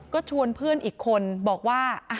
ก็ชวนเพื่อนอีกคนบอกว่า